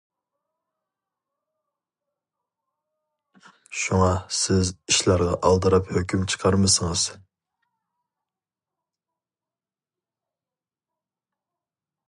شۇڭا سىز ئىشلارغا ئالدىراپ ھۆكۈم چىقارمىسىڭىز.